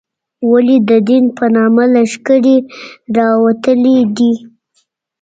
ولې د دین په نامه لښکرې راوتلې دي.